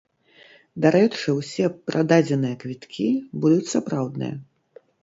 Дарэчы, усе прададзеныя квіткі будуць сапраўдныя.